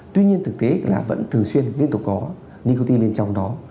tuy nhiên thực tế là vẫn thường xuyên liên tục có nicotin bên trong đó